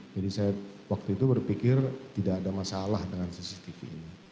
jadi saya waktu itu berpikir tidak ada masalah dengan cctv ini